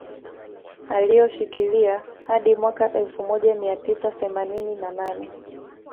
Alioshikilia hadi mwaka elfu moja mia tisa themanini na nane